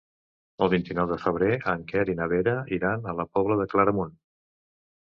El vint-i-nou de febrer en Quer i na Vera iran a la Pobla de Claramunt.